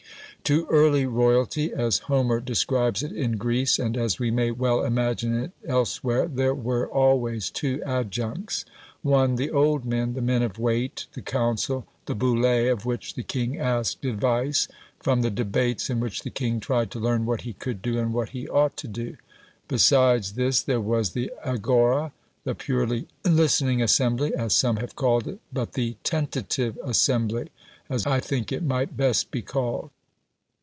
To early royalty, as Homer describes it in Greece and as we may well imagine it elsewhere, there were always two adjuncts: one the "old men," the men of weight, the council, the boulé, of which the king asked advice, from the debates in which the king tried to learn what he could do and what he ought to do. Besides this there was the agorá, the purely listening assembly, as some have called it, but the TENTATIVE assembly, as I think it might best be called.